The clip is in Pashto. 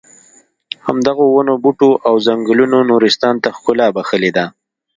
همدغو ونو بوټو او ځنګلونو نورستان ته ښکلا بښلې ده.